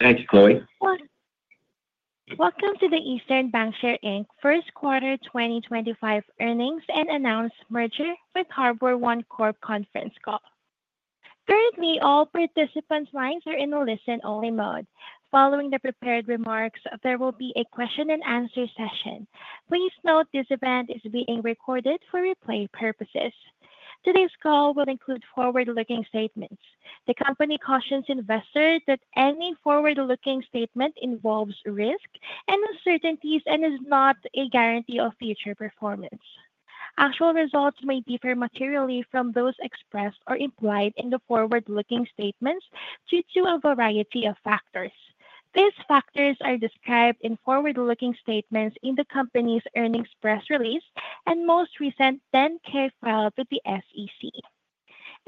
Thank you, Chloe. Welcome to the Eastern Bankshares Q1 2025 Earnings and Announced Merger with HarborOne Conference Call. Currently, all participants' lines are in a listen-only mode. Following the prepared remarks, there will be a question-and-answer session. Please note this event is being recorded for replay purposes. Today's call will include forward-looking statements. The company cautions investors that any forward-looking statement involves risk and uncertainties and is not a guarantee of future performance. Actual results may differ materially from those expressed or implied in the forward-looking statements due to a variety of factors. These factors are described in forward-looking statements in the company's earnings press release and most recent 10-K filed with the SEC.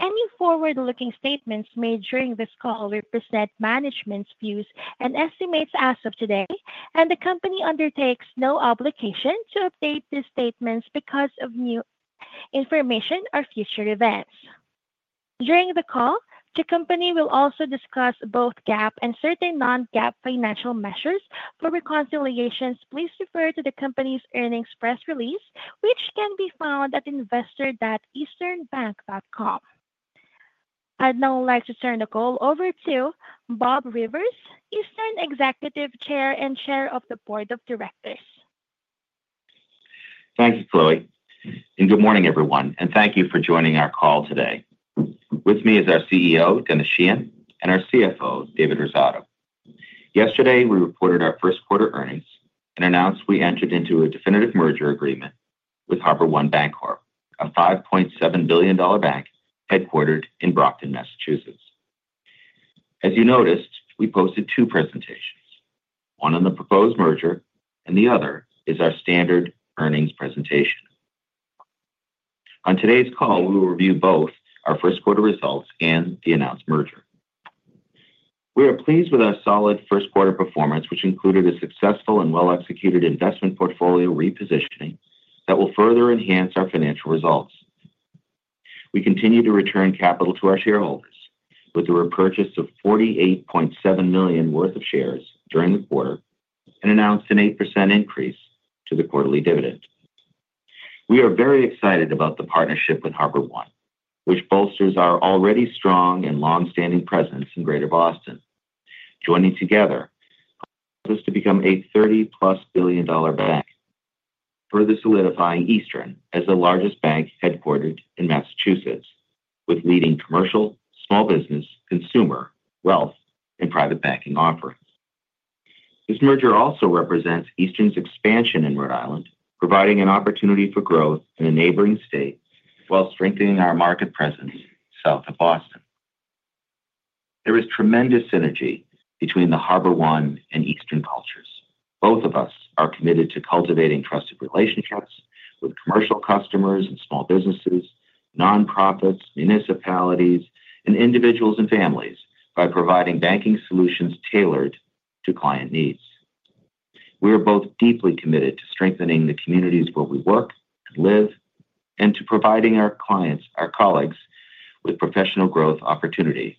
Any forward-looking statements made during this call represent management's views and estimates as of today, and the company undertakes no obligation to update these statements because of new information or future events. During the call, the company will also discuss both GAAP and certain non-GAAP financial measures. For reconciliations, please refer to the company's earnings press release, which can be found at investor.easternbank.com. I'd now like to turn the call over to Bob Rivers, Eastern Executive Chair and Chair of the Board of Directors. Thank you, Chloe. Good morning, everyone. Thank you for joining our call today. With me is our CEO, Denis Sheahan, and our CFO, David Rosato. Yesterday, we reported our Q1 earnings and announced we entered into a definitive merger agreement with HarborOne Bancorp, a $5.7 billion bank headquartered in Brockton, Massachusetts. As you noticed, we posted two presentations: one on the proposed merger and the other is our standard earnings presentation. On today's call, we will review both our Q1 results and the announced merger. We are pleased with our solid Q1 performance, which included a successful and well-executed investment portfolio repositioning that will further enhance our financial results. We continue to return capital to our shareholders with a repurchase of $48.7 million worth of shares during the quarter and announced an 8% increase to the quarterly dividend. We are very excited about the partnership with HarborOne, which bolsters our already strong and long-standing presence in Greater Boston. Joining together helps us to become a $30-plus billion bank, further solidifying Eastern as the largest bank headquartered in Massachusetts with leading commercial, small business, consumer, wealth, and private banking offerings. This merger also represents Eastern's expansion in Rhode Island, providing an opportunity for growth in a neighboring state while strengthening our market presence south of Boston. There is tremendous synergy between the HarborOne and Eastern cultures. Both of us are committed to cultivating trusted relationships with commercial customers and small businesses, nonprofits, municipalities, and individuals and families by providing banking solutions tailored to client needs. We are both deeply committed to strengthening the communities where we work and live and to providing our clients, our colleagues, with professional growth opportunity.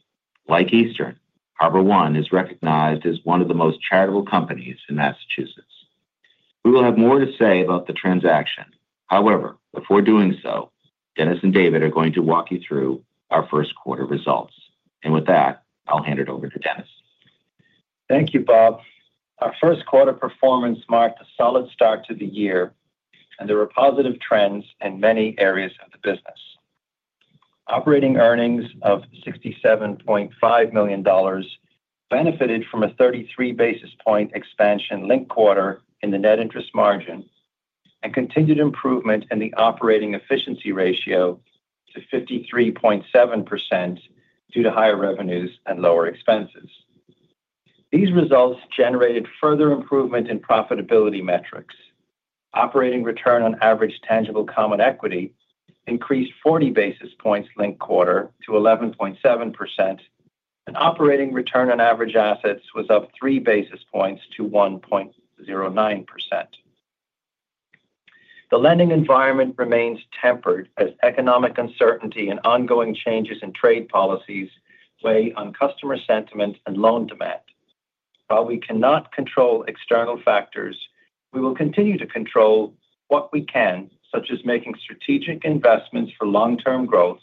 Like Eastern, HarborOne is recognized as one of the most charitable companies in Massachusetts. We will have more to say about the transaction. However, before doing so, Denis and David are going to walk you through our Q1 results. With that, I'll hand it over to Denis. Thank you, Bob. Our Q1 performance marked a solid start to the year and there were positive trends in many areas of the business. Operating earnings of $67.5 million benefited from a 33 basis point expansion link quarter in the net interest margin and continued improvement in the operating efficiency ratio to 53.7% due to higher revenues and lower expenses. These results generated further improvement in profitability metrics. Operating return on average tangible common equity increased 40 basis points link quarter to 11.7%, and operating return on average assets was up 3 basis points to 1.09%. The lending environment remains tempered as economic uncertainty and ongoing changes in trade policies weigh on customer sentiment and loan demand. While we cannot control external factors, we will continue to control what we can, such as making strategic investments for long-term growth,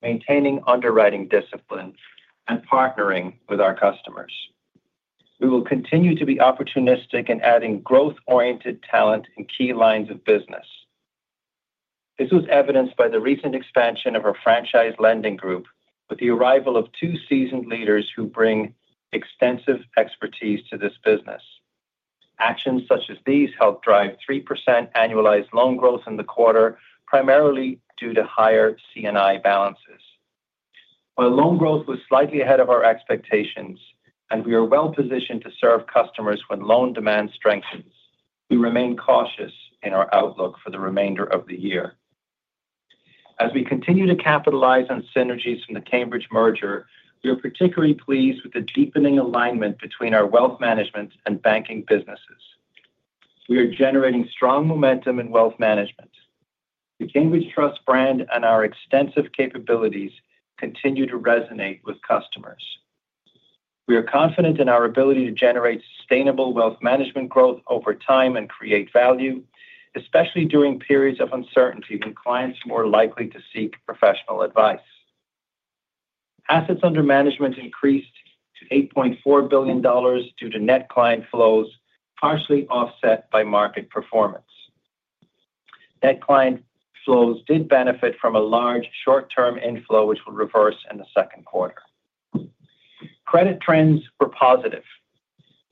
maintaining underwriting discipline, and partnering with our customers. We will continue to be opportunistic in adding growth-oriented talent in key lines of business. This was evidenced by the recent expansion of our franchise lending group with the arrival of two seasoned leaders who bring extensive expertise to this business. Actions such as these helped drive 3% annualized loan growth in the quarter, primarily due to higher C&I balances. While loan growth was slightly ahead of our expectations and we are well-positioned to serve customers when loan demand strengthens, we remain cautious in our outlook for the remainder of the year. As we continue to capitalize on synergies from the Cambridge merger, we are particularly pleased with the deepening alignment between our wealth management and banking businesses. We are generating strong momentum in wealth management. The Cambridge Trust brand and our extensive capabilities continue to resonate with customers. We are confident in our ability to generate sustainable wealth management growth over time and create value, especially during periods of uncertainty when clients are more likely to seek professional advice. Assets under management increased to $8.4 billion due to net client flows, partially offset by market performance. Net client flows did benefit from a large short-term inflow, which will reverse in the Q2. Credit trends were positive.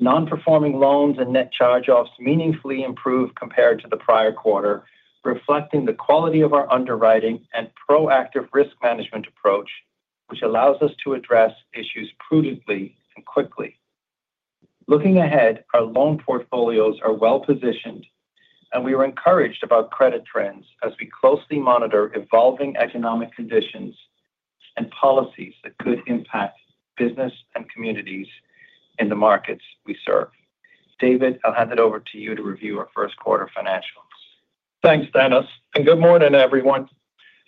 Non-performing loans and net charge-offs meaningfully improved compared to the prior quarter, reflecting the quality of our underwriting and proactive risk management approach, which allows us to address issues prudently and quickly. Looking ahead, our loan portfolios are well-positioned, and we are encouraged about credit trends as we closely monitor evolving economic conditions and policies that could impact business and communities in the markets we serve. David, I'll hand it over to you to review our Q1 financials. Thanks, Denis. Good morning, everyone.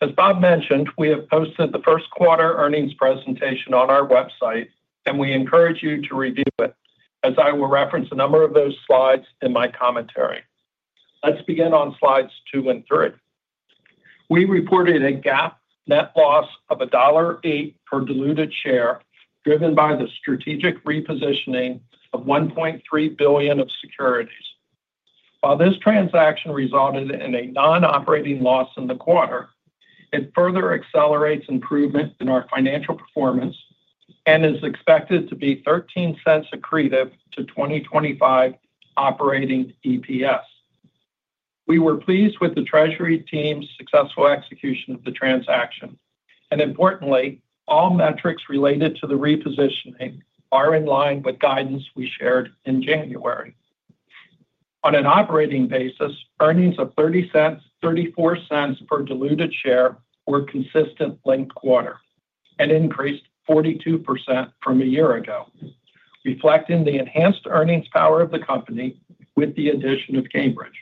As Bob mentioned, we have posted Q1 earnings presentation on our website, and we encourage you to review it, as I will reference a number of those slides in my commentary. Let's begin on slides two and three. We reported a GAAP net loss of $1.08 per diluted share, driven by the strategic repositioning of $1.3 billion of securities. While this transaction resulted in a non-operating loss in the quarter, it further accelerates improvement in our financial performance and is expected to be $0.13 accretive to 2025 operating EPS. We were pleased with the Treasury team's successful execution of the transaction. Importantly, all metrics related to the repositioning are in line with guidance we shared in January. On an operating basis, earnings of $0.34 per diluted share were consistent link quarter and increased 42% from a year ago, reflecting the enhanced earnings power of the company with the addition of Cambridge.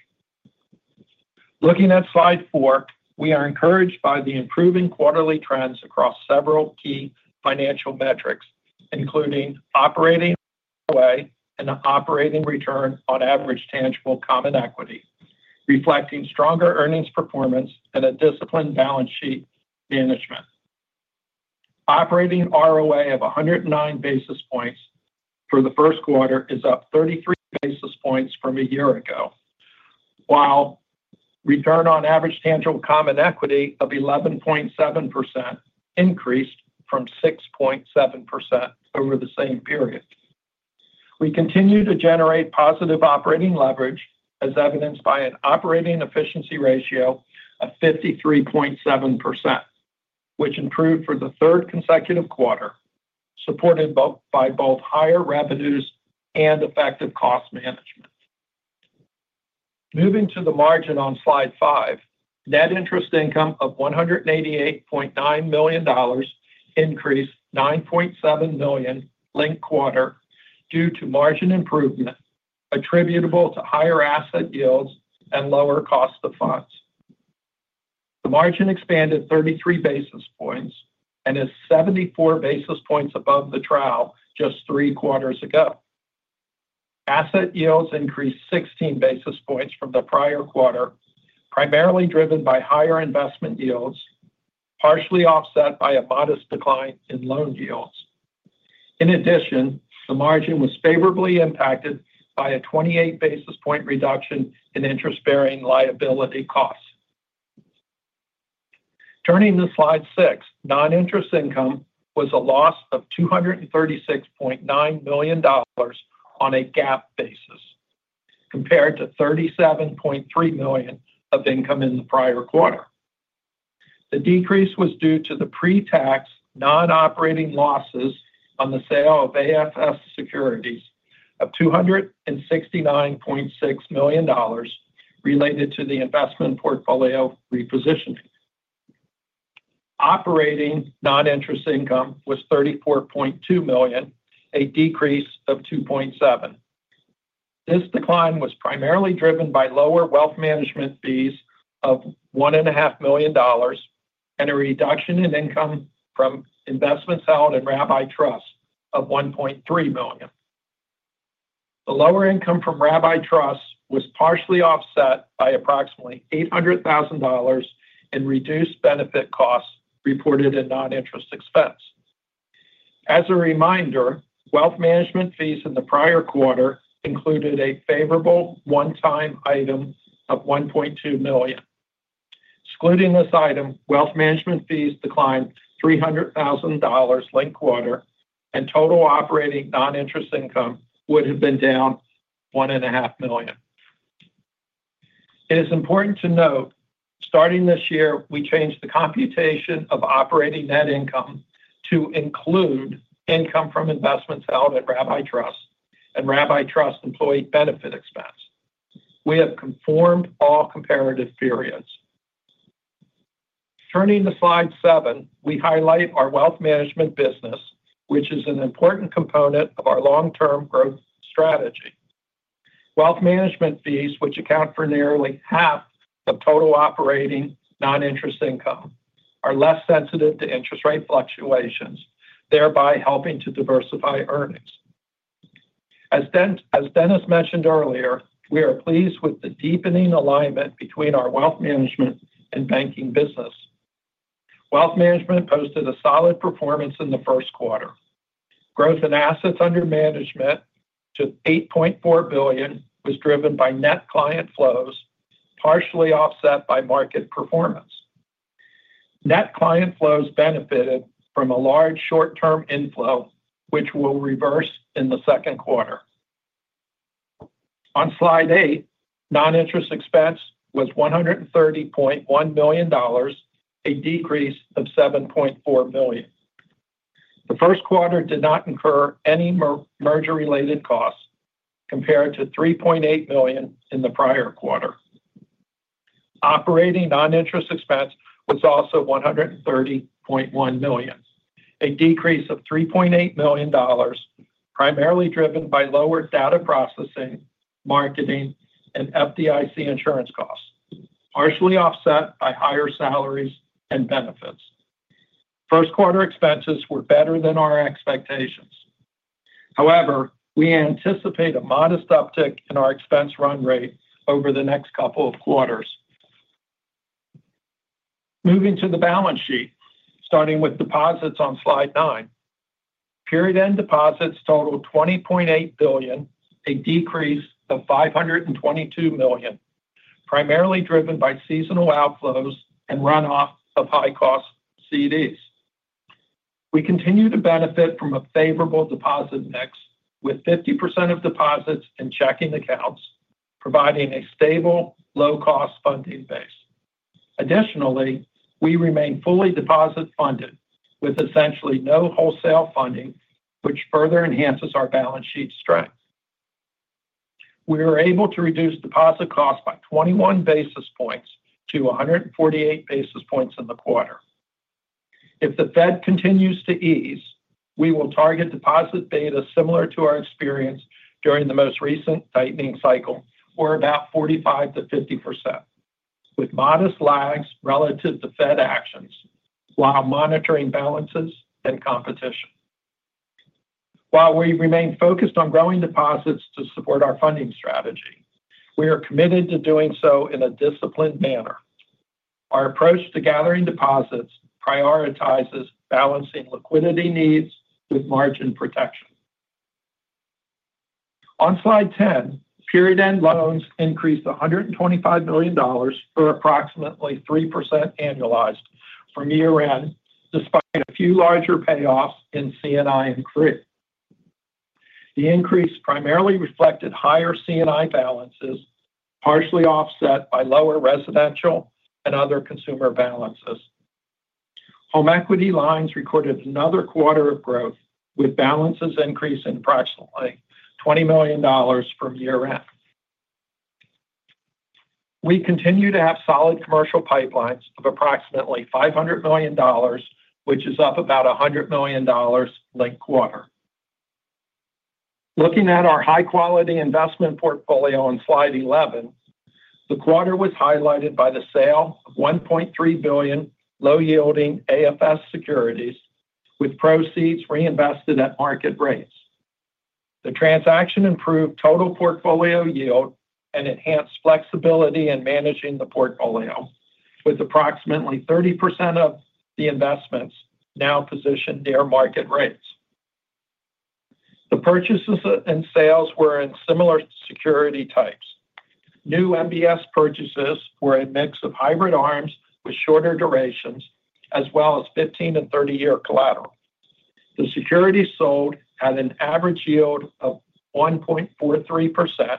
Looking at slide four, we are encouraged by the improving quarterly trends across several key financial metrics, including operating ROA and operating return on average tangible common equity, reflecting stronger earnings performance and a disciplined balance sheet management. Operating ROA of 109 basis points for Q1 is up 33 basis points from a year ago, while return on average tangible common equity of 11.7% increased from 6.7% over the same period. We continue to generate positive operating leverage, as evidenced by an operating efficiency ratio of 53.7%, which improved for the third consecutive quarter, supported by both higher revenues and effective cost management. Moving to the margin on slide five, net interest income of $188.9 million increased $9.7 million link quarter due to margin improvement attributable to higher asset yields and lower cost of funds. The margin expanded 33 basis points and is 74 basis points above the trial just three quarters ago. Asset yields increased 16 basis points from the prior quarter, primarily driven by higher investment yields, partially offset by a modest decline in loan yields. In addition, the margin was favorably impacted by a 28 basis point reduction in interest-bearing liability costs. Turning to slide six, non-interest income was a loss of $236.9 million on a GAAP basis, compared to $37.3 million of income in the prior quarter. The decrease was due to the pre-tax non-operating losses on the sale of AFS securities of $269.6 million related to the investment portfolio repositioning. Operating non-interest income was $34.2 million, a decrease of 2.7%. This decline was primarily driven by lower wealth management fees of $1.5 million and a reduction in income from investments held in Rabbi Trust of $1.3 million. The lower income from Rabbi Trust was partially offset by approximately $800,000 in reduced benefit costs reported in non-interest expense. As a reminder, wealth management fees in the prior quarter included a favorable one-time item of $1.2 million. Excluding this item, wealth management fees declined $300,000 link quarter, and total operating non-interest income would have been down $1.5 million. It is important to note, starting this year, we changed the computation of operating net income to include income from investments held at Rabbi Trust and Rabbi Trust employee benefit expense. We have conformed all comparative periods. Turning to slide seven, we highlight our wealth management business, which is an important component of our long-term growth strategy. Wealth management fees, which account for nearly half of total operating non-interest income, are less sensitive to interest rate fluctuations, thereby helping to diversify earnings. As Denis mentioned earlier, we are pleased with the deepening alignment between our wealth management and banking business. Wealth management posted a solid performance in Q1. Growth in assets under management to $8.4 billion was driven by net client flows, partially offset by market performance. Net client flows benefited from a large short-term inflow, which will reverse in Q2. On slide eight, non-interest expense was $130.1 million, a decrease of $7.4 million. Q1 did not incur any merger-related costs compared to $3.8 million in the prior quarter. Operating non-interest expense was also $130.1 million, a decrease of $3.8 million, primarily driven by lower data processing, marketing, and FDIC insurance costs, partially offset by higher salaries and benefits. Q1 expenses were better than our expectations. However, we anticipate a modest uptick in our expense run rate over the next couple of quarters. Moving to the balance sheet, starting with deposits on slide nine. Period end deposits totaled $20.8 billion, a decrease of $522 million, primarily driven by seasonal outflows and runoff of high-cost CDs. We continue to benefit from a favorable deposit mix with 50% of deposits in checking accounts, providing a stable, low-cost funding base. Additionally, we remain fully deposit-funded with essentially no wholesale funding, which further enhances our balance sheet strength. We were able to reduce deposit costs by 21 basis points to 148 basis points in the quarter. If the Fed continues to ease, we will target deposit beta similar to our experience during the most recent tightening cycle, or about 45% to 50%, with modest lags relative to Fed actions while monitoring balances and competition. While we remain focused on growing deposits to support our funding strategy, we are committed to doing so in a disciplined manner. Our approach to gathering deposits prioritizes balancing liquidity needs with margin protection. On slide ten, period end loans increased $125 million for approximately 3% annualized from year-end, despite a few larger payoffs in C&I and CRE. The increase primarily reflected higher C&I balances, partially offset by lower residential and other consumer balances. Home equity lines recorded another quarter of growth, with balances increasing approximately $20 million from year-end. We continue to have solid commercial pipelines of approximately $500 million, which is up about $100 million link quarter. Looking at our high-quality investment portfolio on slide 11, the quarter was highlighted by the sale of $1.3 billion low-yielding AFS securities, with proceeds reinvested at market rates. The transaction improved total portfolio yield and enhanced flexibility in managing the portfolio, with approximately 30% of the investments now positioned near market rates. The purchases and sales were in similar security types. New MBS purchases were a mix of hybrid arms with shorter durations, as well as 15 and 30-year collateral. The securities sold had an average yield of 1.43%,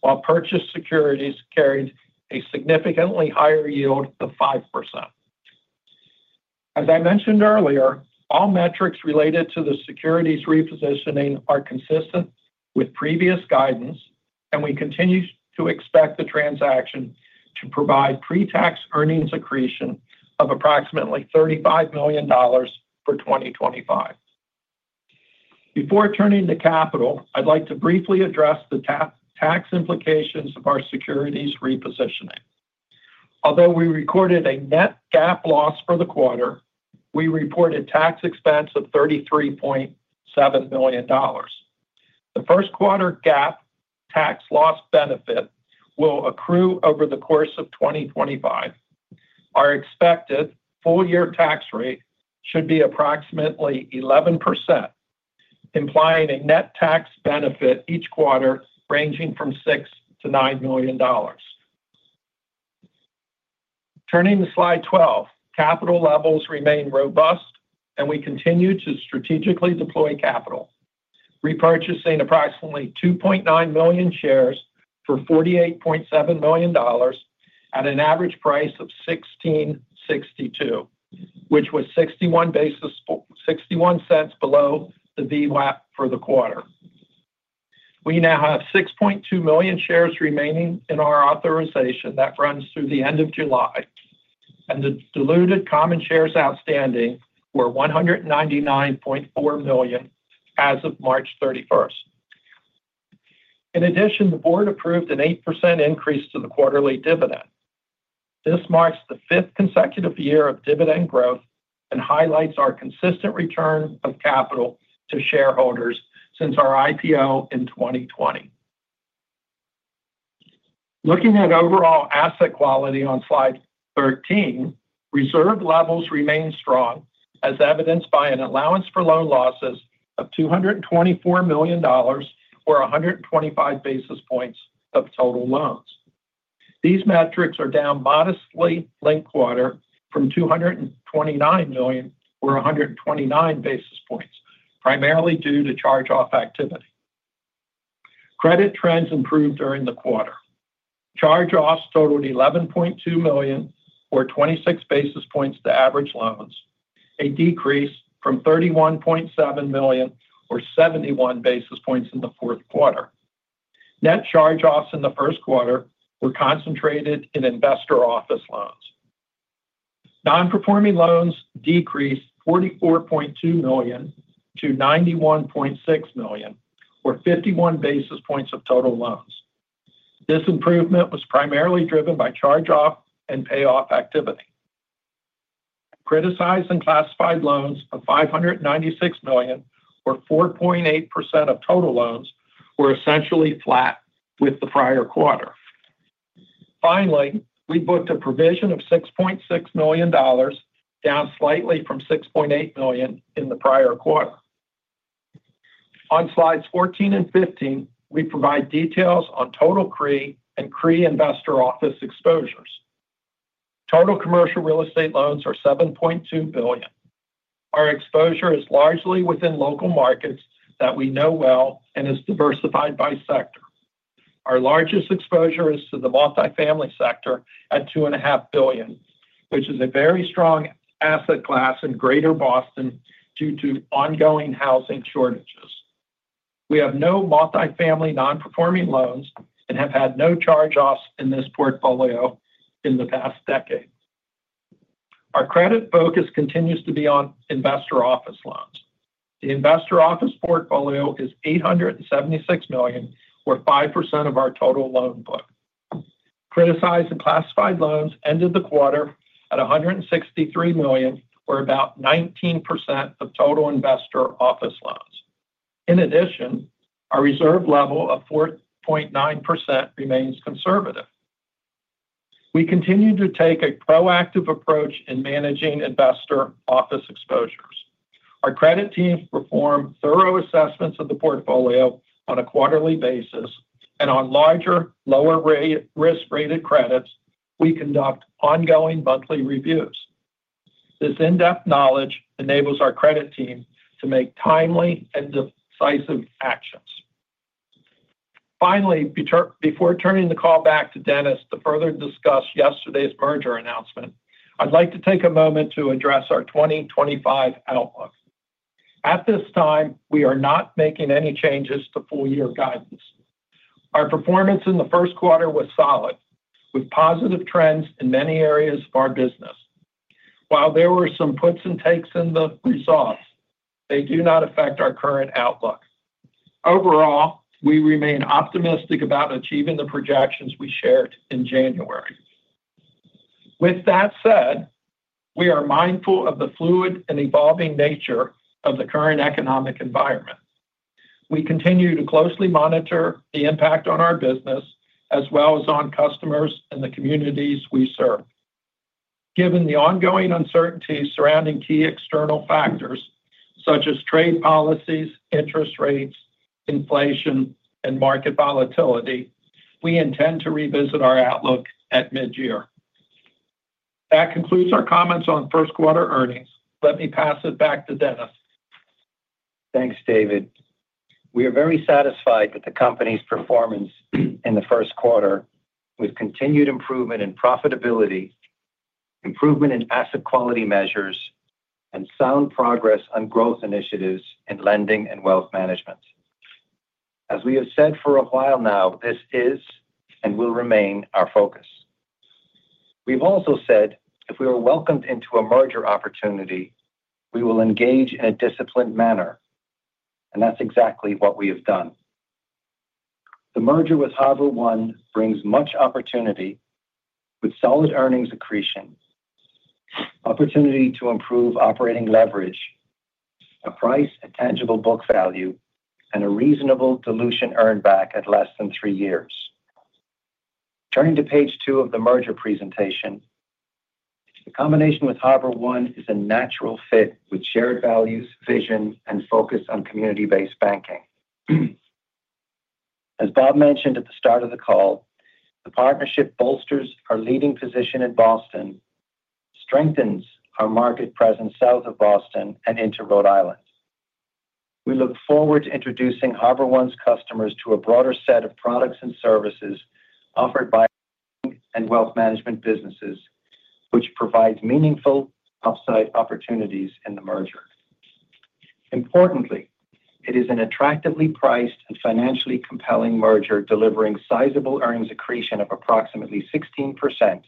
while purchased securities carried a significantly higher yield of 5%. As I mentioned earlier, all metrics related to the securities repositioning are consistent with previous guidance, and we continue to expect the transaction to provide pre-tax earnings accretion of approximately $35 million for 2025. Before turning to capital, I'd like to briefly address the tax implications of our securities repositioning. Although we recorded a net GAAP loss for the quarter, we reported tax expense of $33.7 million. Q1 GAAP tax loss benefit will accrue over the course of 2025. Our expected full-year tax rate should be approximately 11%, implying a net tax benefit each quarter ranging from $6 to 9 million. Turning to slide 12, capital levels remain robust, and we continue to strategically deploy capital, repurchasing approximately 2.9 million shares for $48.7 million at an average price of $16.62, which was 61 cents below the VWAP for the quarter. We now have 6.2 million shares remaining in our authorization that runs through the end of July, and the diluted common shares outstanding were $199.4 million as of March 31. In addition, the board approved an 8% increase to the quarterly dividend. This marks the fifth consecutive year of dividend growth and highlights our consistent return of capital to shareholders since our IPO in 2020. Looking at overall asset quality on slide 13, reserve levels remain strong, as evidenced by an allowance for loan losses of $224 million, or 125 basis points of total loans. These metrics are down modestly link quarter from $229 million, or 129 basis points, primarily due to charge-off activity. Credit trends improved during the quarter. Charge-offs totaled $11.2 million, or 26 basis points to average loans, a decrease from $31.7 million, or 71 basis points in the Q4. Net charge-offs in Q1 were concentrated in investor office loans. Non-performing loans decreased $44.2 to 91.6 million, or 51 basis points of total loans. This improvement was primarily driven by charge-off and payoff activity. Criticized and classified loans of $596 million, or 4.8% of total loans, were essentially flat with the prior quarter. Finally, we booked a provision of $6.6 million, down slightly from $6.8 million in the prior quarter. On slides 14 and 15, we provide details on total CRE and CRE investor office exposures. Total commercial real estate loans are $7.2 billion. Our exposure is largely within local markets that we know well and is diversified by sector. Our largest exposure is to the multifamily sector at $2.5 billion, which is a very strong asset class in Greater Boston due to ongoing housing shortages. We have no multifamily non-performing loans and have had no charge-offs in this portfolio in the past decade. Our credit focus continues to be on investor office loans. The investor office portfolio is $876 million, or 5% of our total loan book. Criticized and classified loans ended the quarter at $163 million, or about 19% of total investor office loans. In addition, our reserve level of 4.9% remains conservative. We continue to take a proactive approach in managing investor office exposures. Our credit teams perform thorough assessments of the portfolio on a quarterly basis, and on larger, lower-risk-rated credits, we conduct ongoing monthly reviews. This in-depth knowledge enables our credit team to make timely and decisive actions. Finally, before turning the call back to Denis to further discuss yesterday's merger announcement, I'd like to take a moment to address our 2025 outlook. At this time, we are not making any changes to full-year guidance. Our performance in Q1 was solid, with positive trends in many areas of our business. While there were some puts and takes in the results, they do not affect our current outlook. Overall, we remain optimistic about achieving the projections we shared in January. With that said, we are mindful of the fluid and evolving nature of the current economic environment. We continue to closely monitor the impact on our business, as well as on customers and the communities we serve. Given the ongoing uncertainty surrounding key external factors, such as trade policies, interest rates, inflation, and market volatility, we intend to revisit our outlook at mid-year. That concludes our comments on Q1 earnings. Let me pass it back to Denis. Thanks, David. We are very satisfied with the company's performance in Q1, with continued improvement in profitability, improvement in asset quality measures, and sound progress on growth initiatives in lending and wealth management. As we have said for a while now, this is and will remain our focus. We've also said if we are welcomed into a merger opportunity, we will engage in a disciplined manner, and that's exactly what we have done. The merger with HarborOne brings much opportunity, with solid earnings accretion, opportunity to improve operating leverage, a price at tangible book value, and a reasonable dilution earned back at less than three years. Turning to page two of the merger presentation, the combination with HarborOne is a natural fit with shared values, vision, and focus on community-based banking. As Bob mentioned at the start of the call, the partnership bolsters our leading position in Boston, strengthens our market presence south of Boston, and into Rhode Island. We look forward to introducing HarborOne's customers to a broader set of products and services offered by wealth management businesses, which provides meaningful upside opportunities in the merger. Importantly, it is an attractively priced and financially compelling merger, delivering sizable earnings accretion of approximately 16%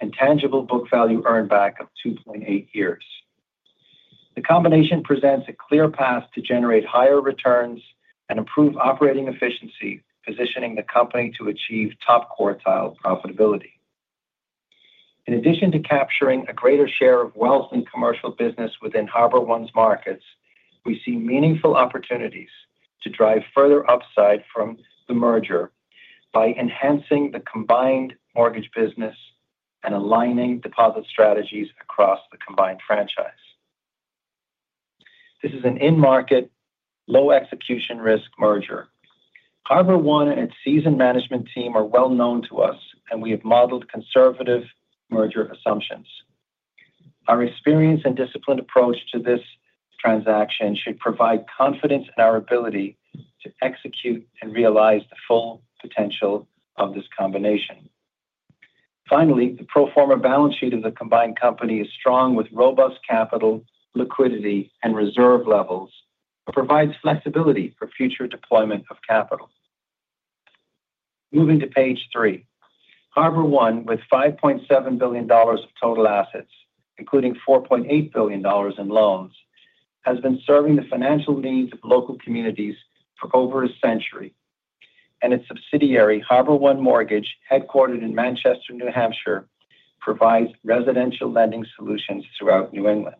and tangible book value earned back of 2.8 years. The combination presents a clear path to generate higher returns and improve operating efficiency, positioning the company to achieve top quartile profitability. In addition to capturing a greater share of wealth and commercial business within HarborOne's markets, we see meaningful opportunities to drive further upside from the merger by enhancing the combined mortgage business and aligning deposit strategies across the combined franchise. This is an in-market, low-execution risk merger. HarborOne and its seasoned management team are well known to us, and we have modeled conservative merger assumptions. Our experience and disciplined approach to this transaction should provide confidence in our ability to execute and realize the full potential of this combination. Finally, the pro forma balance sheet of the combined company is strong, with robust capital, liquidity, and reserve levels, which provides flexibility for future deployment of capital. Moving to page three, HarborOne, with $5.7 billion of total assets, including $4.8 billion in loans, has been serving the financial needs of local communities for over a century, and its subsidiary, HarborOne Mortgage, headquartered in Manchester, New Hampshire, provides residential lending solutions throughout New England.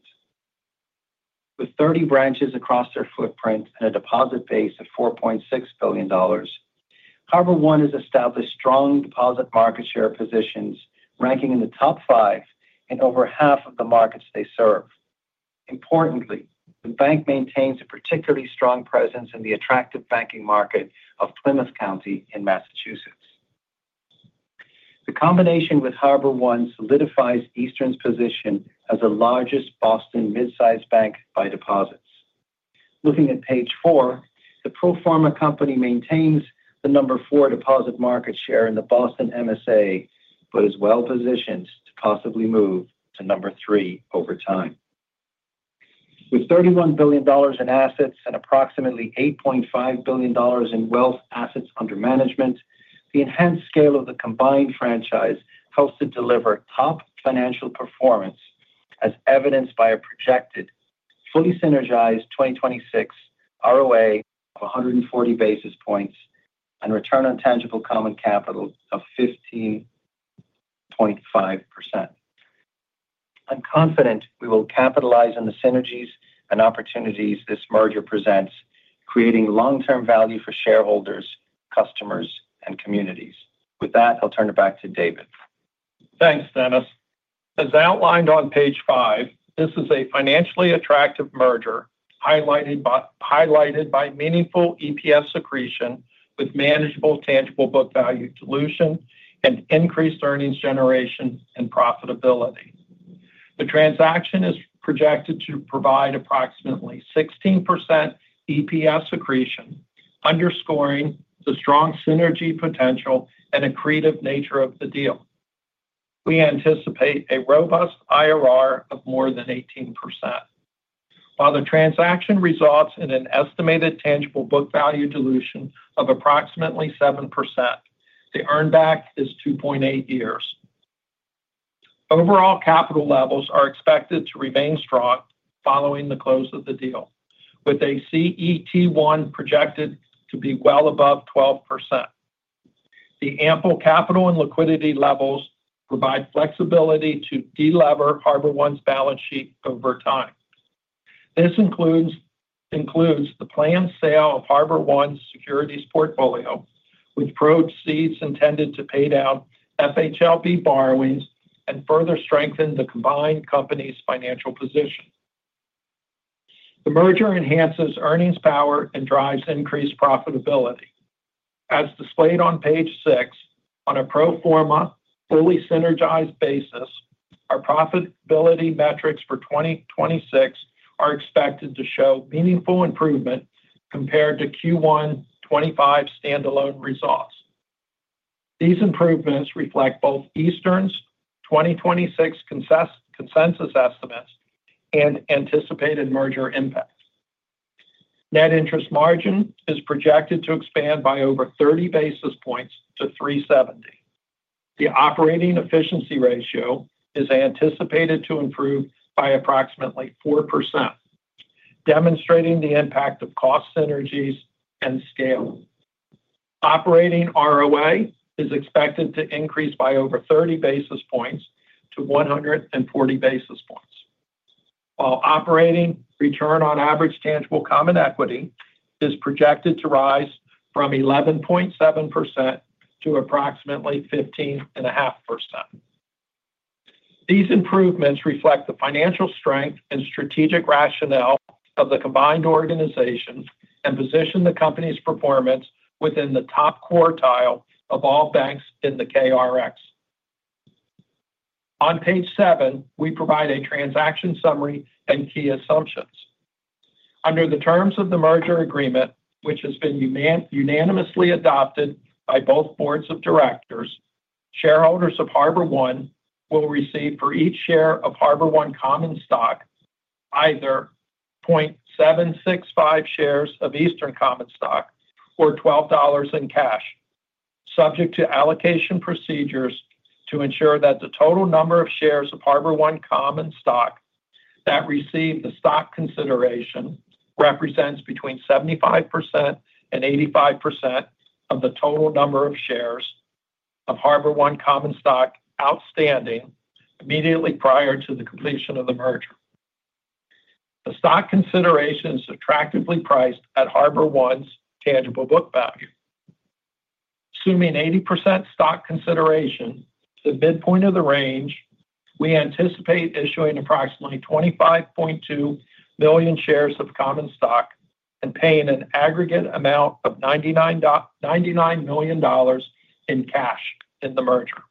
With 30 branches across their footprint and a deposit base of $4.6 billion, HarborOne has established strong deposit market share positions, ranking in the top five in over half of the markets they serve. Importantly, the bank maintains a particularly strong presence in the attractive banking market of Plymouth County in Massachusetts. The combination with HarborOne solidifies Eastern's position as the largest Boston mid-size bank by deposits. Looking at page four, the pro forma company maintains the number four deposit market share in the Boston MSA, but is well positioned to possibly move to number three over time. With $31 billion in assets and approximately $8.5 billion in wealth assets under management, the enhanced scale of the combined franchise helps to deliver top financial performance, as evidenced by a projected fully synergized 2026 ROA of 140 basis points and return on tangible common capital of 15.5%. I'm confident we will capitalize on the synergies and opportunities this merger presents, creating long-term value for shareholders, customers, and communities. With that, I'll turn it back to David. Thanks, Denis. As outlined on page five, this is a financially attractive merger highlighted by meaningful EPS accretion, with manageable tangible book value dilution and increased earnings generation and profitability. The transaction is projected to provide approximately 16% EPS accretion, underscoring the strong synergy potential and accretive nature of the deal. We anticipate a robust IRR of more than 18%. While the transaction results in an estimated tangible book value dilution of approximately 7%, the earned back is 2.8 years. Overall capital levels are expected to remain strong following the close of the deal, with a CET1 projected to be well above 12%. The ample capital and liquidity levels provide flexibility to delever HarborOne's balance sheet over time. This includes the planned sale of HarborOne's securities portfolio, with proceeds intended to pay down FHLB borrowings and further strengthen the combined company's financial position. The merger enhances earnings power and drives increased profitability. As displayed on page six, on a pro forma fully synergized basis, our profitability metrics for 2026 are expected to show meaningful improvement compared to Q1 2025 standalone results. These improvements reflect both Eastern's 2026 consensus estimates and anticipated merger impact. Net interest margin is projected to expand by over 30 basis points to 3.70%. The operating efficiency ratio is anticipated to improve by approximately 4%, demonstrating the impact of cost synergies and scale. Operating ROA is expected to increase by over 30 basis points to 140 basis points, while operating return on average tangible common equity is projected to rise from 11.7% to approximately 15.5%. These improvements reflect the financial strength and strategic rationale of the combined organization and position the company's performance within the top quartile of all banks in the KRX. On page seven, we provide a transaction summary and key assumptions. Under the terms of the merger agreement, which has been unanimously adopted by both boards of directors, shareholders of HarborOne will receive for each share of HarborOne Common Stock either 0.765 shares of Eastern Common Stock or $12 in cash, subject to allocation procedures to ensure that the total number of shares of HarborOne Common Stock that receive the stock consideration represents between 75% and 85% of the total number of shares of HarborOne Common Stock outstanding immediately prior to the completion of the merger. The stock consideration is attractively priced at HarborOne's tangible book value. Assuming 80% stock consideration to the midpoint of the range, we anticipate issuing approximately 25.2 million shares of common stock and paying an aggregate amount of $99 million in cash in the merger.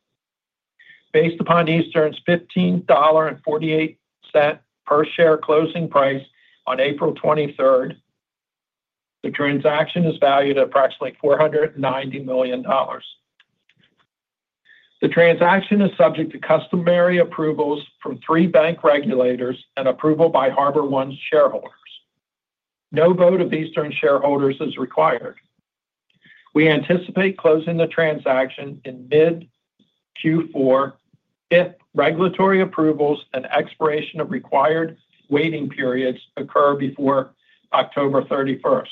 Based upon Eastern's $15.48 per share closing price on April 23rd, the transaction is valued at approximately $490 million. The transaction is subject to customary approvals from three bank regulators and approval by HarborOne's shareholders. No vote of Eastern shareholders is required. We anticipate closing the transaction in mid-Q4 if regulatory approvals and expiration of required waiting periods occur before 31 October.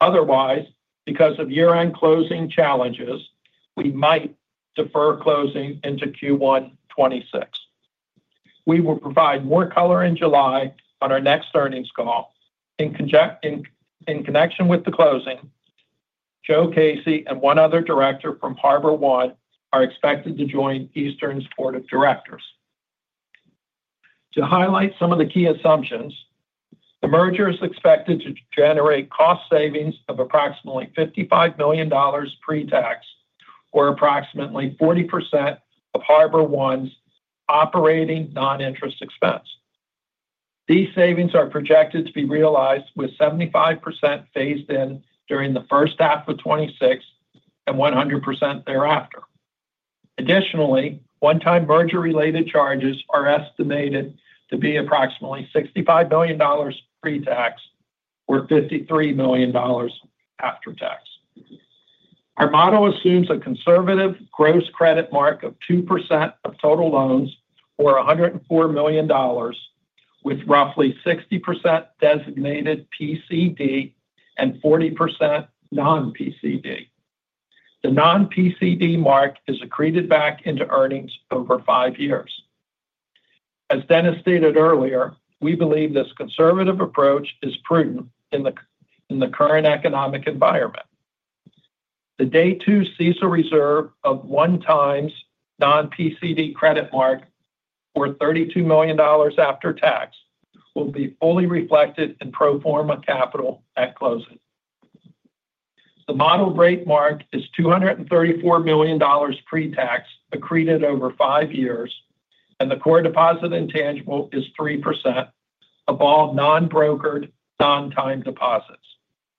Otherwise, because of year-end closing challenges, we might defer closing into Q1 2026. We will provide more color in July on our next earnings call. In connection with the closing, Joe Casey and one other director from HarborOne are expected to join Eastern's board of directors. To highlight some of the key assumptions, the merger is expected to generate cost savings of approximately $55 million pre-tax or approximately 40% of HarborOne's operating non-interest expense. These savings are projected to be realized with 75% phased in during the first half of 2026 and 100% thereafter. Additionally, one-time merger-related charges are estimated to be approximately $65 million pre-tax or $53 million after-tax. Our model assumes a conservative gross credit mark of 2% of total loans or $104 million, with roughly 60% designated PCD and 40% non-PCD. The non-PCD mark is accreted back into earnings over five years. As Denis stated earlier, we believe this conservative approach is prudent in the current economic environment. The day-two CECL reserve of one-time non-PCD credit mark or $32 million after-tax will be fully reflected in pro forma capital at closing. The model rate mark is $234 million pre-tax accreted over five years, and the core deposit intangible is 3% of all non-brokered non-time deposits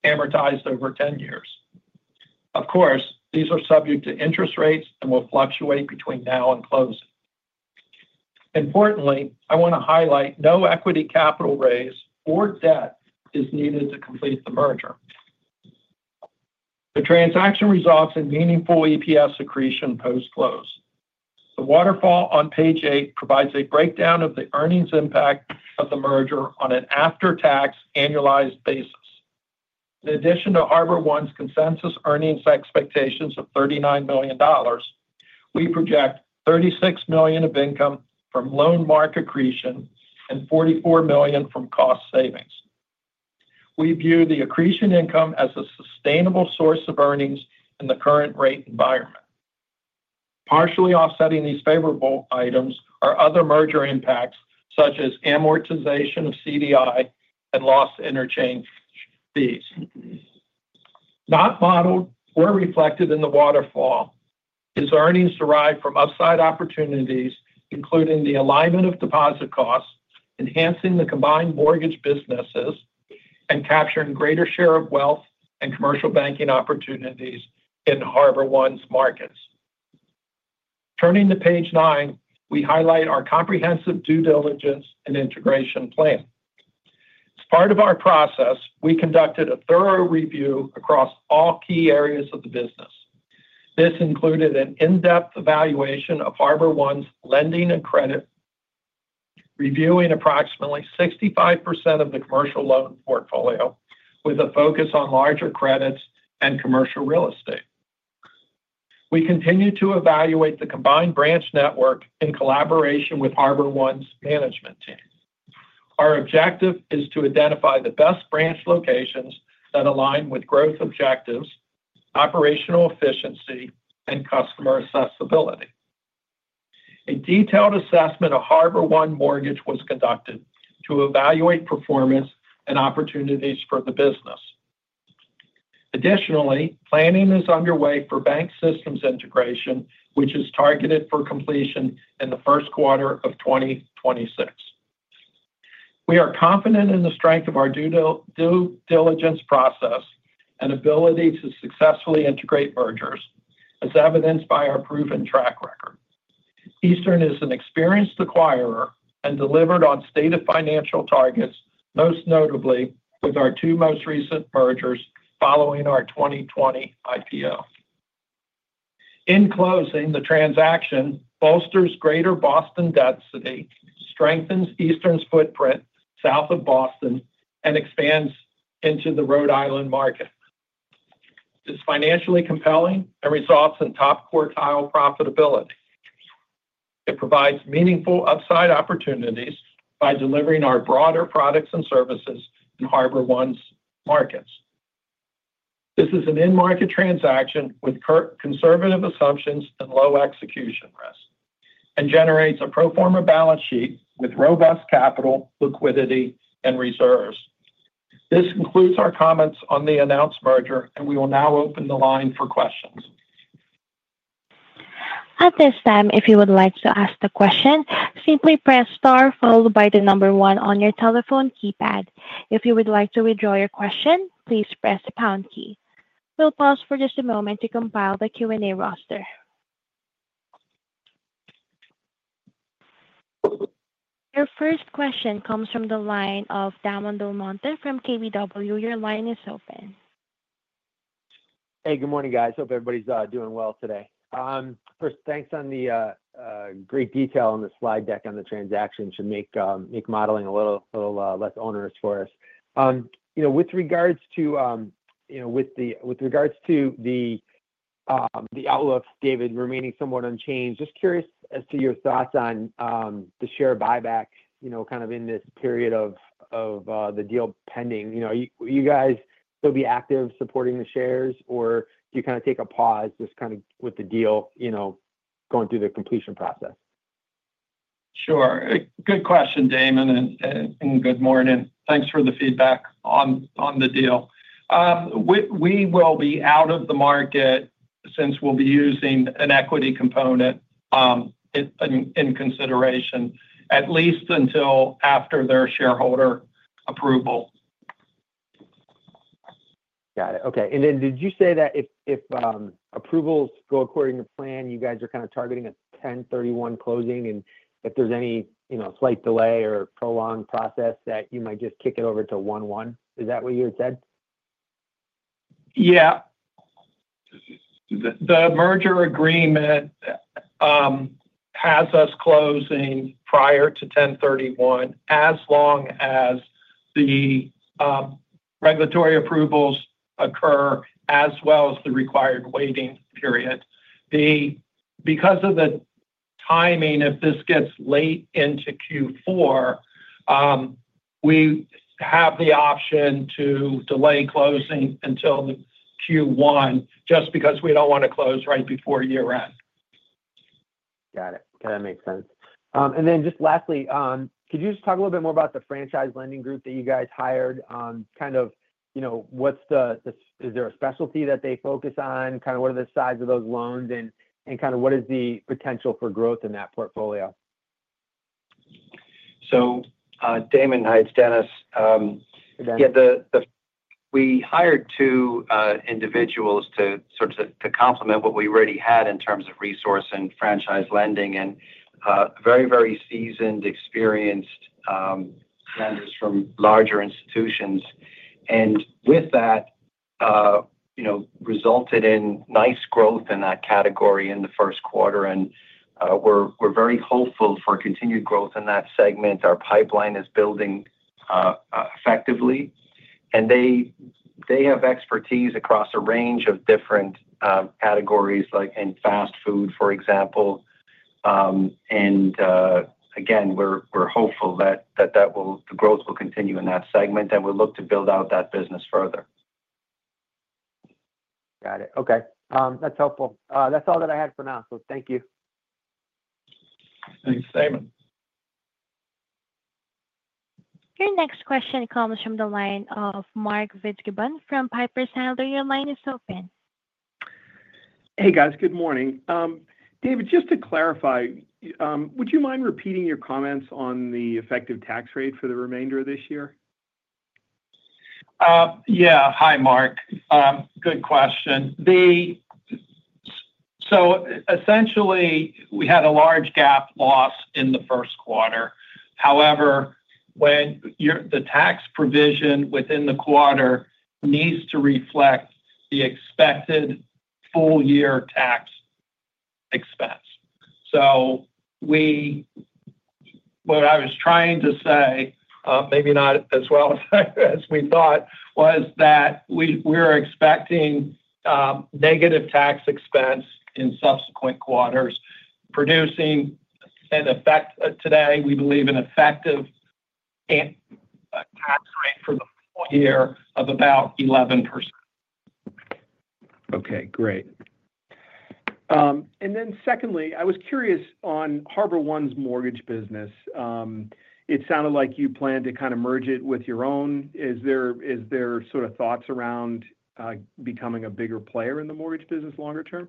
amortized over 10 years. Of course, these are subject to interest rates and will fluctuate between now and closing. Importantly, I want to highlight no equity capital raise or debt is needed to complete the merger. The transaction results in meaningful EPS accretion post-close. The waterfall on page eight provides a breakdown of the earnings impact of the merger on an after-tax annualized basis. In addition to HarborOne's consensus earnings expectations of $39 million, we project $36 million of income from loan mark accretion and $44 million from cost savings. We view the accretion income as a sustainable source of earnings in the current rate environment. Partially offsetting these favorable items are other merger impacts, such as amortization of CDI and lost interchange fees. Not modeled or reflected in the waterfall is earnings derived from upside opportunities, including the alignment of deposit costs, enhancing the combined mortgage businesses, and capturing greater share of wealth and commercial banking opportunities in HarborOne's markets. Turning to page nine, we highlight our comprehensive due diligence and integration plan. As part of our process, we conducted a thorough review across all key areas of the business. This included an in-depth evaluation of HarborOne's lending and credit, reviewing approximately 65% of the commercial loan portfolio, with a focus on larger credits and commercial real estate. We continue to evaluate the combined branch network in collaboration with HarborOne's management team. Our objective is to identify the best branch locations that align with growth objectives, operational efficiency, and customer accessibility. A detailed assessment of HarborOne Mortgage was conducted to evaluate performance and opportunities for the business. Additionally, planning is underway for bank systems integration, which is targeted for completion in Q1 of 2026. We are confident in the strength of our due diligence process and ability to successfully integrate mergers, as evidenced by our proven track record. Eastern is an experienced acquirer and delivered on stated financial targets, most notably with our two most recent mergers following our 2020 IPO. In closing, the transaction bolsters Greater Boston density, strengthens Eastern's footprint south of Boston, and expands into the Rhode Island market. It's financially compelling and results in top quartile profitability. It provides meaningful upside opportunities by delivering our broader products and services in HarborOne's markets. This is an in-market transaction with conservative assumptions and low execution risk, and generates a pro forma balance sheet with robust capital, liquidity, and reserves. This concludes our comments on the announced merger, and we will now open the line for questions. At this time, if you would like to ask a question, simply press star followed by the number one on your telephone keypad. If you would like to withdraw your question, please press the pound key. We'll pause for just a moment to compile the Q&A roster. Your first question comes from the line of Damon DelMonte from KBW. Your line is open. Hey, good morning, guys. Hope everybody's doing well today. First, thanks on the great detail on the slide deck on the transaction to make modeling a little less onerous for us. With regards to the outlook, David, remaining somewhat unchanged, just curious as to your thoughts on the share buyback kind of in this period of the deal pending. Are you guys still be active supporting the shares, or do you kind of take a pause just kind of with the deal going through the completion process? Sure. Good question, Damon, and good morning. Thanks for the feedback on the deal. We will be out of the market since we'll be using an equity component in consideration, at least until after their shareholder approval. Got it. Okay. Did you say that if approvals go according to plan, you guys are kind of targeting a 10/31 closing, and if there's any slight delay or prolonged process, that you might just kick it over to 11? Is that what you had said? Yeah. The merger agreement has us closing prior to 10/31 as long as the regulatory approvals occur, as well as the required waiting period. Because of the timing, if this gets late into Q4, we have the option to delay closing until Q1 just because we do not want to close right before year-end. Got it. Okay, that makes sense. Lastly, could you just talk a little bit more about the franchise lending group that you guys hired? Kind of what is the is there a specialty that they focus on? Kind of what are the size of those loans and kind of what is the potential for growth in that portfolio? Damon, hi, it is Denis. We hired two individuals to sort of complement what we already had in terms of resource and franchise lending and very, very seasoned, experienced lenders from larger institutions. With that, resulted in nice growth in that category in Q1, and we are very hopeful for continued growth in that segment. Our pipeline is building effectively, and they have expertise across a range of different categories like in fast food, for example. Again, we're hopeful that the growth will continue in that segment, and we'll look to build out that business further. Got it. Okay. That's helpful. That's all that I had for now, so thank you. Thanks, Damon. Your next question comes from the line of Mark Fitzgibbon from Piper Sandler. Your line is open. Hey, guys. Good morning. David, just to clarify, would you mind repeating your comments on the effective tax rate for the remainder of this year? Yeah. Hi, Mark. Good question. Essentially, we had a large GAAP loss in Q1. However, the tax provision within the quarter needs to reflect the expected full-year tax expense. What I was trying to say, maybe not as well as we thought, was that we're expecting negative tax expense in subsequent quarters, producing an effect today, we believe, an effective tax rate for the full year of about 11%. Okay. Great. Secondly, I was curious on HarborOne's mortgage business. It sounded like you plan to kind of merge it with your own. Is there sort of thoughts around becoming a bigger player in the mortgage business longer term?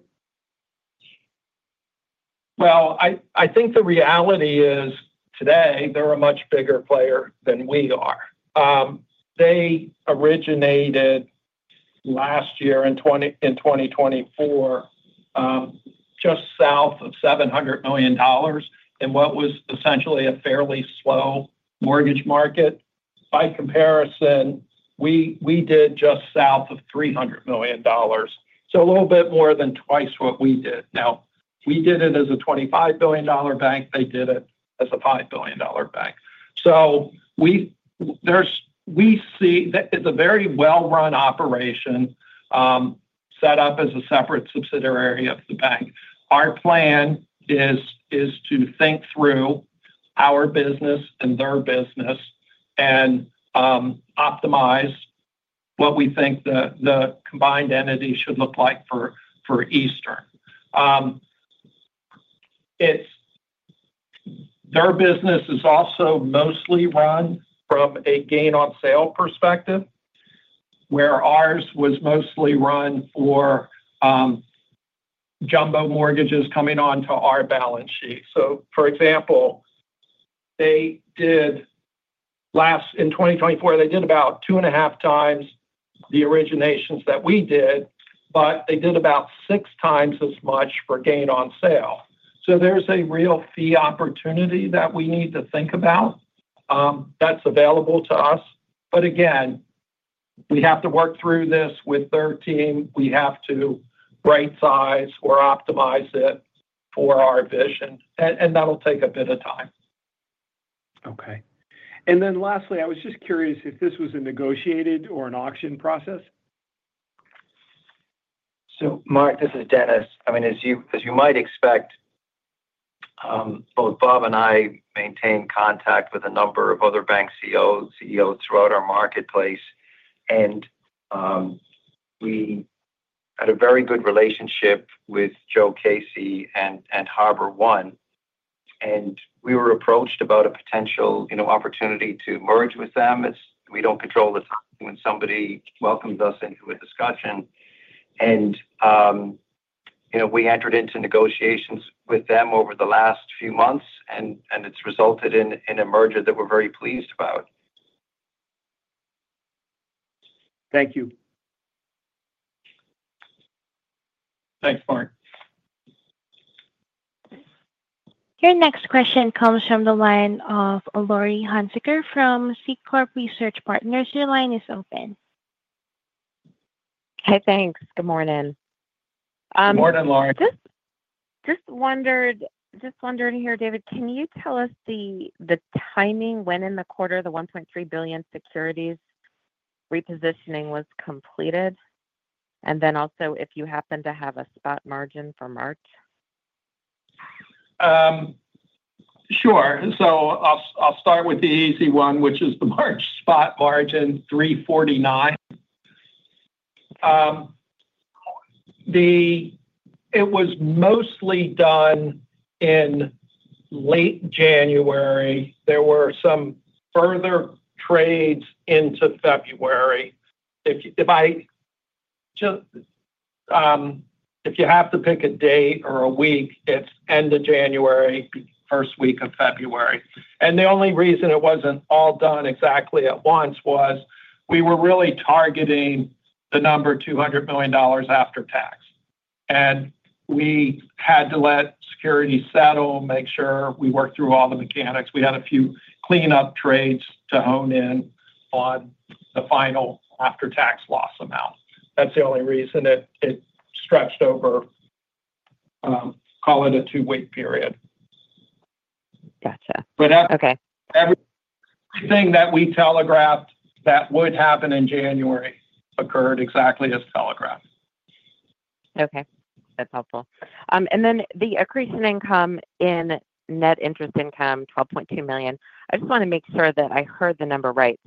I think the reality is today, they're a much bigger player than we are. They originated last year in 2024 just south of $700 million in what was essentially a fairly slow mortgage market. By comparison, we did just south of $300 million, so a little bit more than twice what we did. Now, we did it as a $25 billion bank. They did it as a $5 billion bank. We see it is a very well-run operation set up as a separate subsidiary of the bank. Our plan is to think through our business and their business and optimize what we think the combined entity should look like for Eastern. Their business is also mostly run from a gain-on-sale perspective, where ours was mostly run for jumbo mortgages coming onto our balance sheet. For example, in 2024, they did about two and a half times the originations that we did, but they did about six times as much for gain-on-sale. There is a real fee opportunity that we need to think about that is available to us. Again, we have to work through this with their team. We have to right-size or optimize it for our vision, and that will take a bit of time. Okay. Lastly, I was just curious if this was a negotiated or an auction process. Mark, this is Denis. I mean, as you might expect, both Bob and I maintain contact with a number of other bank CEOs throughout our marketplace, and we had a very good relationship with Joe Casey and HarborOne. We were approached about a potential opportunity to merge with them. We do not control the time when somebody welcomes us into a discussion. We entered into negotiations with them over the last few months, and it has resulted in a merger that we are very pleased about. Thank you. Thanks, Mark. Your next question comes from the line of Laurie Hunsicker from Seaport Research Partners. Your line is open. Hi, thanks. Good morning. Good morning, Laurie. Just wondering here, David, can you tell us the timing when in the quarter the $1.3 billion securities repositioning was completed? And then also if you happen to have a spot margin for March. Sure. I'll start with the easy one, which is the March spot margin, 349. It was mostly done in late January. There were some further trades into February. If you have to pick a date or a week, it's end of January, first week of February. The only reason it wasn't all done exactly at once was we were really targeting the number $200 million after tax. We had to let security settle, make sure we worked through all the mechanics. We had a few cleanup trades to hone in on the final after-tax loss amount. That's the only reason it stretched over, call it a two-week period. Everything that we telegraphed that would happen in January occurred exactly as telegraphed. Okay. That's helpful. The accretion income in net interest income, $12.2 million. I just want to make sure that I heard the number right.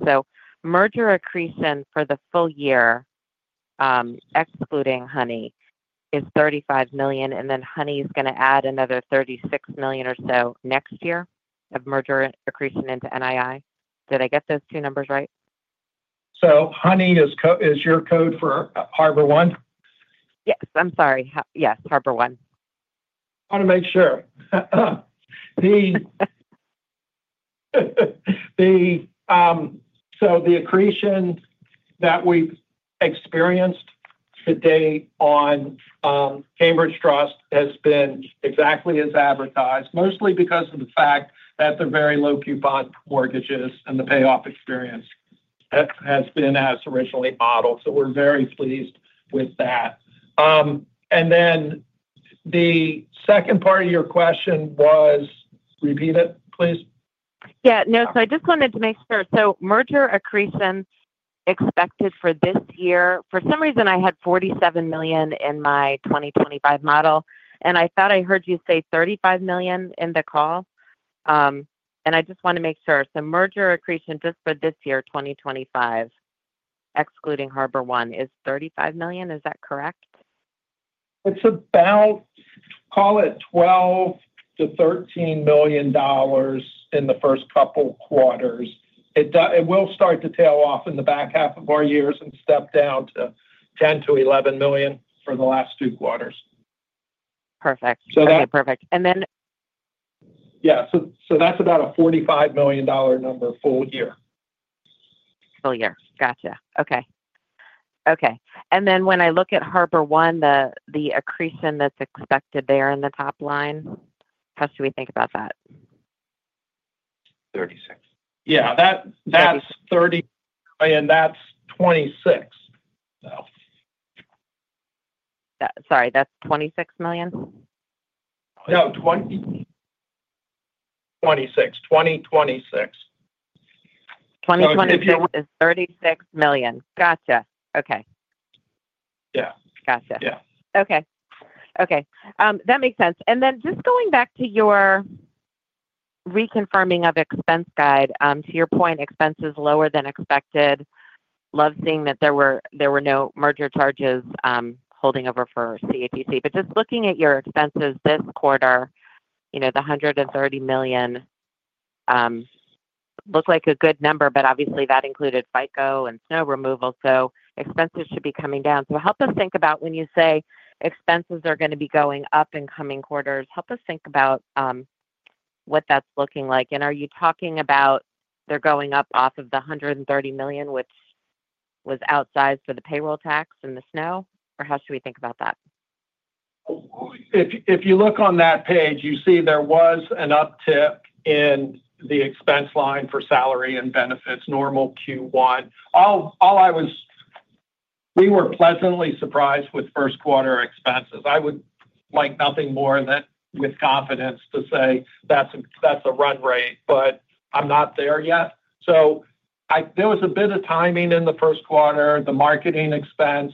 Merger accretion for the full year, excluding HONE, is $35 million, and HONE is going to add another $36 million or so next year of merger accretion into NII. Did I get those two numbers right? HONE is your code for HarborOne? Yes. I'm sorry. Yes, HarborOne. Want to make sure. The accretion that we've experienced to date on Cambridge Trust has been exactly as advertised, mostly because of the fact that they're very low-coupon mortgages and the payoff experience has been as originally modeled. We're very pleased with that. The second part of your question was repeat it, please. Yeah. No, I just wanted to make sure. Merger accretion expected for this year. For some reason, I had $47 million in my 2025 model, and I thought I heard you say $35 million in the call. I just want to make sure. Merger accretion just for this year, 2025, excluding HarborOne, is $35 million. Is that correct? It's about, call it, $12 to 13 million in the first couple quarters. It will start to tail off in the back half of our years and step down to $10 to 11 million for the last two quarters. Perfect. Okay, perfect. Yeah, that's about a $45 million number full year. Full year. Gotcha. Okay. Okay. When I look at HarborOne, the accretion that's expected there in the top line, how should we think about that? $36 million. Yeah. That's 26, so. Sorry, that's 26 million? No, 26. 2026. 2026 is 36 million. Gotcha. Okay. Yeah. Gotcha. Yeah. Okay. Okay. That makes sense. Just going back to your reconfirming of expense guide, to your point, expenses lower than expected. Love seeing that there were no merger charges holding over for CATC. Just looking at your expenses this quarter, the $130 million looked like a good number, but obviously, that included FICO and snow removal, so expenses should be coming down. Help us think about when you say expenses are going to be going up in coming quarters, help us think about what that's looking like. Are you talking about they're going up off of the $130 million, which was outsized for the payroll tax and the snow, or how should we think about that? If you look on that page, you see there was an uptick in the expense line for salary and benefits, normal Q1. We were pleasantly surprised with Q1 expenses. I would like nothing more than with confidence to say that's a run rate, but I'm not there yet. There was a bit of timing in Q1. The marketing expense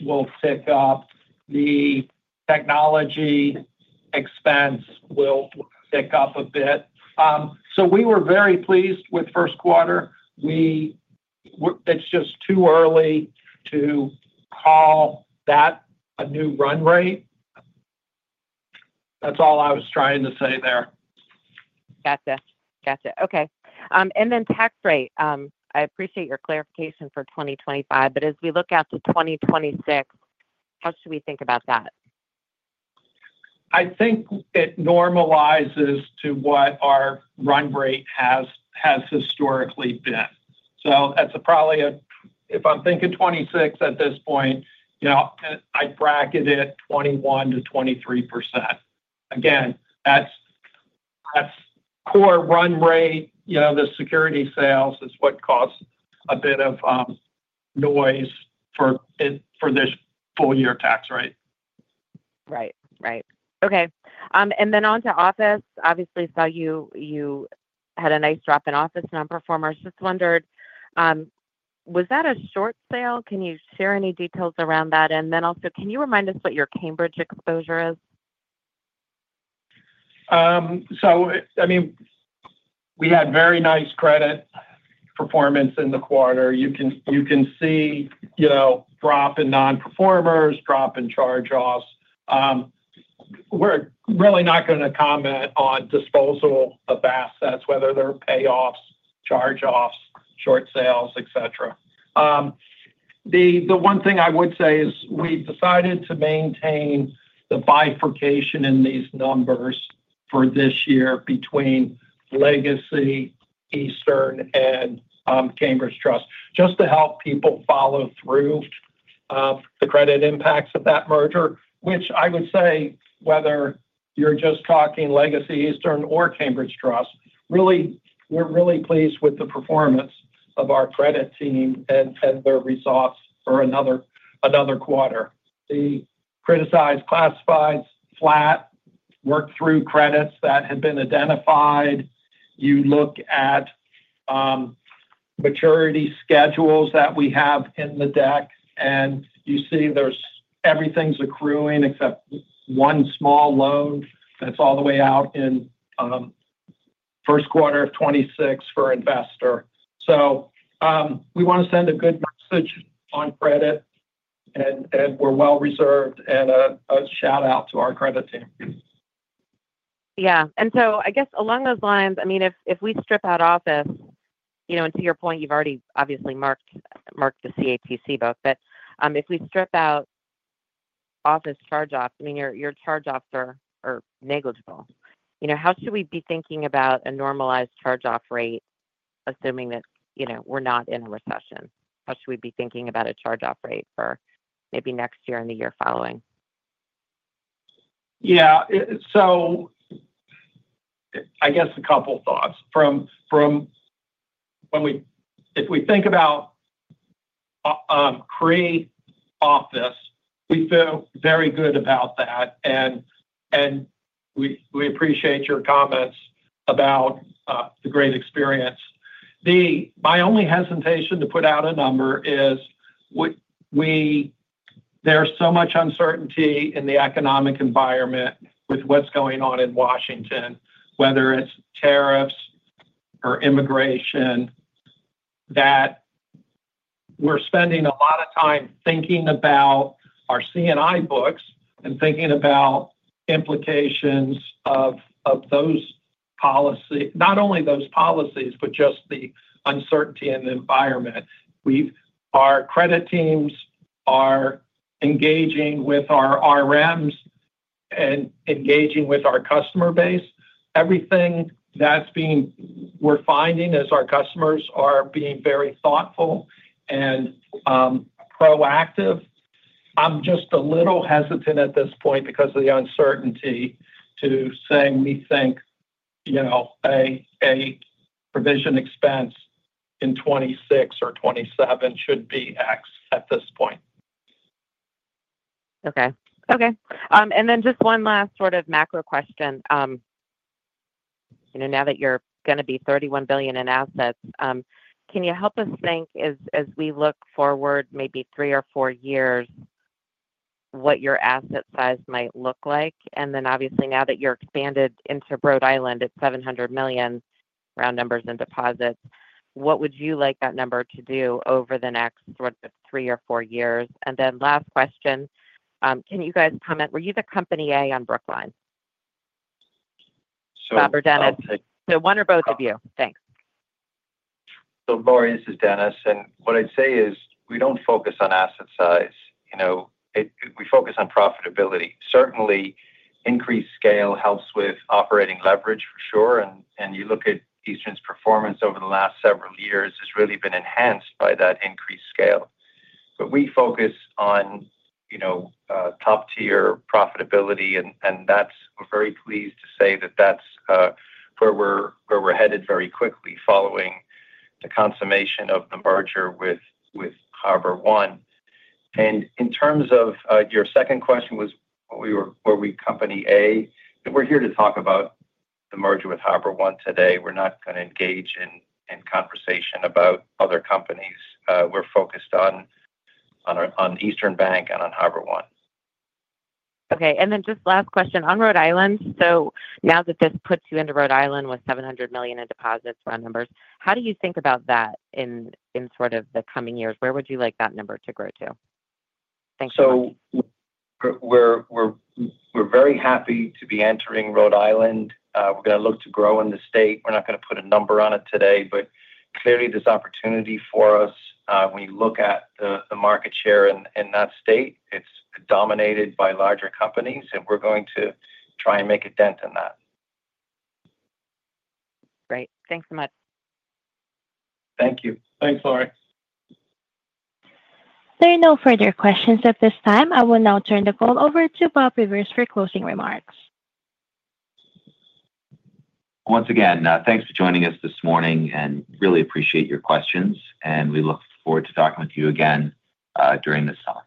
will tick up. The technology expense will tick up a bit. We were very pleased with Q1. It's just too early to call that a new run rate. That's all I was trying to say there. Gotcha. Gotcha. Okay. And then tax rate, I appreciate your clarification for 2025, but as we look at the 2026, how should we think about that? I think it normalizes to what our run rate has historically been. That's probably a, if I'm thinking 2026 at this point, I'd bracket it 21% to 23%. Again, that's core run rate. The security sales is what caused a bit of noise for this full-year tax rate. Right. Right. Okay. Then onto office, obviously, I saw you had a nice drop in office and on performance. Just wondered, was that a short sale? Can you share any details around that? Also, can you remind us what your Cambridge exposure is? I mean, we had very nice credit performance in the quarter. You can see drop in non-performers, drop in charge-offs. We're really not going to comment on disposal of assets, whether they're payoffs, charge-offs, short sales, etc. The one thing I would say is we've decided to maintain the bifurcation in these numbers for this year between Legacy Eastern, and Cambridge Trust, just to help people follow through the credit impacts of that merger, which I would say, whether you're just talking Legacy, Eastern, or Cambridge Trust, we're really pleased with the performance of our credit team and their results for another quarter. The criticized classifieds, flat, work-through credits that had been identified. You look at maturity schedules that we have in the deck, and you see everything's accruing except one small loan that's all the way out in Q1 of 2026 for investor. We want to send a good message on credit, and we're well reserved, and a shout-out to our credit team. Yeah. I guess along those lines, I mean, if we strip out office and to your point, you've already obviously marked the CATC book, but if we strip out office charge-offs, I mean, your charge-offs are negligible. How should we be thinking about a normalized charge-off rate, assuming that we're not in a recession? How should we be thinking about a charge-off rate for maybe next year and the year following? Yeah. I guess a couple of thoughts. If we think about pre-office, we feel very good about that, and we appreciate your comments about the great experience. My only hesitation to put out a number is there's so much uncertainty in the economic environment with what's going on in Washington, whether it's tariffs or immigration, that we're spending a lot of time thinking about our C&I books and thinking about implications of those policies, not only those policies, but just the uncertainty in the environment. Our credit teams are engaging with our RMs and engaging with our customer base. Everything that we're finding is our customers are being very thoughtful and proactive. I'm just a little hesitant at this point because of the uncertainty to say we think a provision expense in 2026 or 2027 should be X at this point. Okay. Okay. And then just one last sort of macro question. Now that you're going to be $31 billion in assets, can you help us think, as we look forward maybe three or four years, what your asset size might look like? Obviously, now that you're expanded into Rhode Island at $700 million, round numbers in deposits, what would you like that number to do over the next three or four years? Last question, can you guys comment? Were you the company A on Brookline? Bob or Denis? One or both of you. Thanks. Larie, this is Denis. What I'd say is we don't focus on asset size. We focus on profitability. Certainly, increased scale helps with operating leverage, for sure. You look at Eastern's performance over the last several years, it's really been enhanced by that increased scale. We focus on top-tier profitability, and we're very pleased to say that that's where we're headed very quickly following the consummation of the merger with HarborOne. In terms of your second question, were we Company A? We're here to talk about the merger with HarborOne today. We're not going to engage in conversation about other companies. We're focused on Eastern Bank and on HarborOne. Okay. Just last question on Rhode Island. Now that this puts you into Rhode Island with $700 million in deposits, round numbers, how do you think about that in sort of the coming years? Where would you like that number to grow to? Thanks so much. We're very happy to be entering Rhode Island. We're going to look to grow in the state. We're not going to put a number on it today, but clearly, this opportunity for us, when you look at the market share in that state, it's dominated by larger companies, and we're going to try and make a dent in that. Great. Thanks so much. Thank you. Thanks, Laurie. There are no further questions at this time. I will now turn the call over to Bob Rivers for closing remarks. Once again, thanks for joining us this morning, and really appreciate your questions, and we look forward to talking with you again during this time.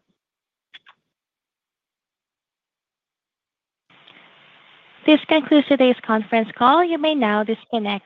This concludes today's conference call. You may now disconnect.